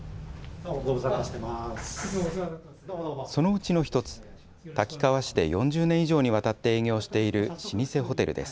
そのうちの一つ、滝川市で４０年以上にわたって営業している老舗ホテルです。